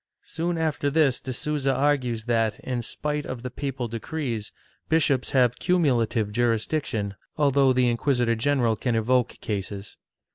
^ Soon after this de Sousa argues that, in spite of the papal decrees, bishops have cumulative jm'isdiction, although the inquisitor general can evoke cases.